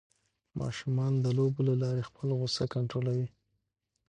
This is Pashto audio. ماشومان د لوبو له لارې خپل غوسه کنټرولوي.